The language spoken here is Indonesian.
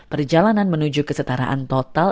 perjalanan menuju kesetaraan total